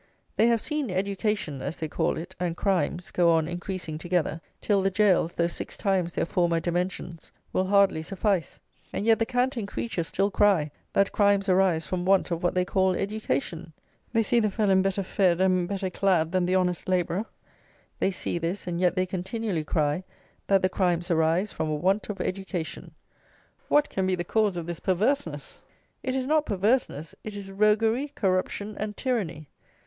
They have seen "education," as they call it, and crimes, go on increasing together, till the gaols, though six times their former dimensions, will hardly suffice; and yet the canting creatures still cry that crimes arise from want of what they call "education!" They see the felon better fed and better clad than the honest labourer. They see this; and yet they continually cry that the crimes arise from a want of "education!" What can be the cause of this perverseness? It is not perverseness: it is roguery, corruption, and tyranny.